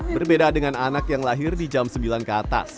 berbeda dengan anak yang lahir di jam sembilan ke atas